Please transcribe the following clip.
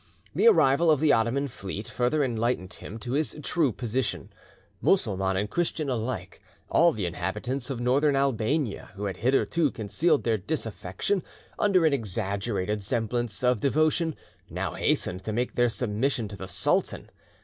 The arrival of the Ottoman fleet further enlightened him to his true position. Mussulman and Christian alike, all the inhabitants of Northern Albania, who had hitherto concealed their disaffection under an exaggerated semblance of devotion, now hastened to make their submission to the sultan.